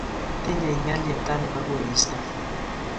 Tinyei ng'elyepta nebo koristo.